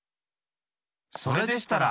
それでしたら！